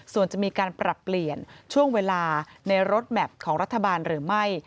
ส่วนจะมีการปรับเปลี่ยนช่วงเวลาในรถแมพของรัฐบาลหรือไม่